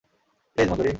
Please, Manjuri.